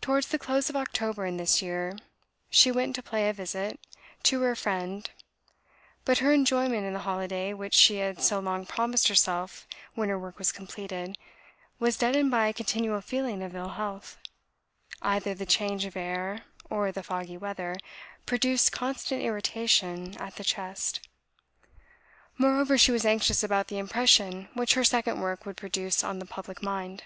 Towards the close of October in this year, she went to pay a visit to her friend; but her enjoyment in the holiday, which she had so long promised herself when her work was completed, was deadened by a continual feeling of ill health; either the change of air or the foggy weather produced constant irritation at the chest. Moreover, she was anxious about the impression which her second work would produce on the public mind.